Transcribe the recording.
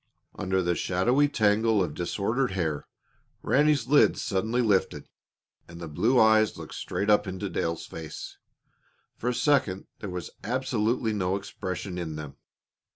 Under the shadowy tangle of disordered hair Ranny's lids suddenly lifted, and the blue eyes looked straight up into Dale's face. For a second there was absolutely no expression in them.